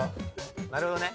なるほどね。